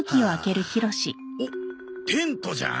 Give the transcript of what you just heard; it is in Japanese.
おっテントじゃん！